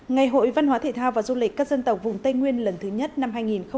ngày hội văn hóa thể thao và du lịch các dân tộc vùng tây nguyên lần thứ nhất năm hai nghìn hai mươi